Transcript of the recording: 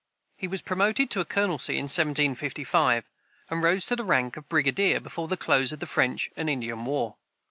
He was promoted to a colonelcy in 1755, and rose to the rank of brigadier before the close of the French and Indian war.